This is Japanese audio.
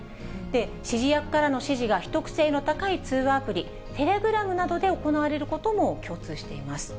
指示役からの指示が秘匿性の高い通話アプリ、テレグラムなどで行われることも共通しています。